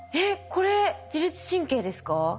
これ自律神経ですか？